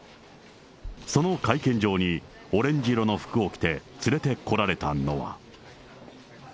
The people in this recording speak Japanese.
その会見場に、オレンジ色の服を着て、連れてこられたのは。